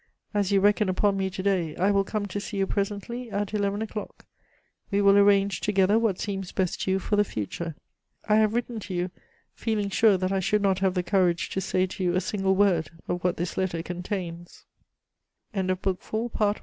As you reckon upon me to day, I will come to see you presently, at eleven o'clock. We will arrange together what seems best to you for the future. I have written to you, feeling sure that I should not have the courage to say to you a single word of what th